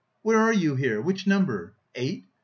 Where are you here? Which number? eight?